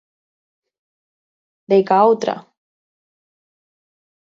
"Deica outra."